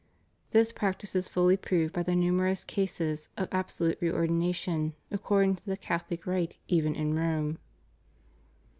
This practice is fully proved by the numerous cases of absolute reordination according to the Catholic rite even in Rome.